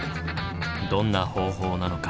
どんな方法なのか？